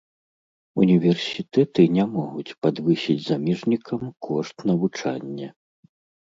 Універсітэты не могуць падвысіць замежнікам кошт навучання.